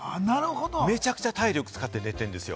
めちゃくちゃ体力使って寝てるんですよ。